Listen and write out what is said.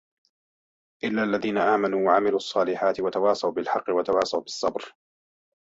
إِلَّا الَّذينَ آمَنوا وَعَمِلُوا الصّالِحاتِ وَتَواصَوا بِالحَقِّ وَتَواصَوا بِالصَّبرِ